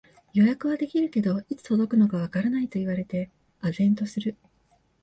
予約はできるけど、いつ届くのかわからないと言われて呆然とする